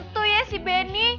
tuh ya si beni